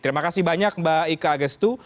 terima kasih banyak mba ike agestu